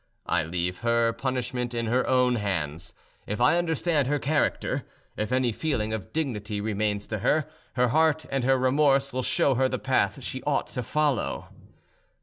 I leave her punishment in her own hands. If I understand her character, if any feeling of dignity remains to her, her heart and her remorse will show her the path she ought to follow."